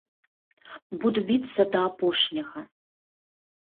Буду біцца да апошняга!